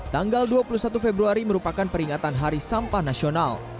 tanggal dua puluh satu februari merupakan peringatan hari sampah nasional